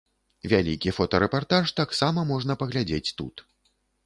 Вялікі фотарэпартаж таксама можна паглядзець тут.